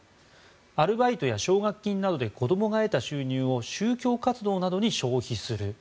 アルバイトや奨学金などで子供が得た収入を宗教活動などに消費する。